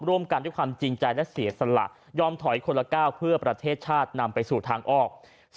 ร่วมกันด้วยความจริงใจและเสียสละยอมถอยคนละก้าวเพื่อประเทศชาตินำไปสู่ทางออก